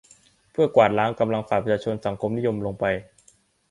เพื่อกวาดล้างกำลังฝ่ายประชาชนสังคมนิยมลงไป